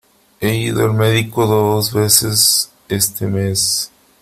He ido al médico dos veces este mes.